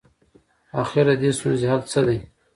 اخر ددې ستونزي حل څه دی؟